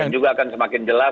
dan juga akan semakin jelas